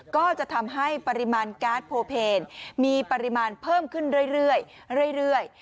ก็จะทำให้ปริมาณการ์ดโพเพลมีปริมาณเพิ่มขึ้นเรื่อย